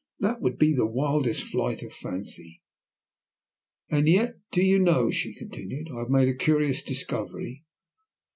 That would be the wildest flight of fancy." "And yet, do you know," she continued, "I have made a curious discovery."